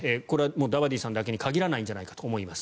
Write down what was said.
ダバディさんだけに限らないんじゃないかと思います。